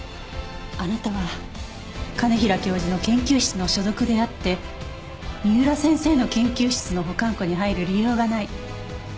あなたは兼平教授の研究室の所属であって三浦先生の研究室の保管庫に入る理由がない。